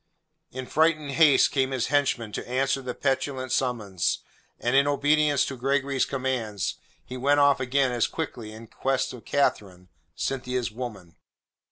In frightened haste came his henchman to answer the petulant summons, and in obedience to Gregory's commands he went off again as quickly in quest of Catherine Cynthia's woman.